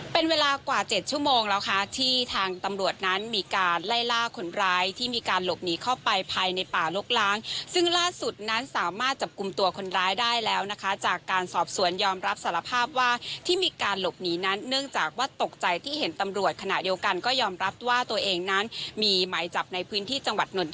เป็นเวลากว่า๗ชั่วโมงแล้วค่ะที่ทางตำรวจนั้นมีการไล่ล่าคนร้ายที่มีการหลบหนีเข้าไปภายในป่าลกล้างซึ่งล่าสุดนั้นสามารถจับกลุ่มตัวคนร้ายได้แล้วนะคะจากการสอบสวนยอมรับสารภาพว่าที่มีการหลบหนีนั้นเนื่องจากว่าตกใจที่เห็นตำรวจขณะเดียวกันก็ยอมรับว่าตัวเองนั้นมีหมายจับในพื้นที่จังหวัดนท